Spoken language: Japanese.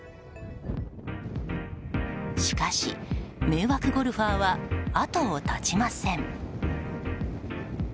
しかし、迷惑ゴルファーは後を絶ちません。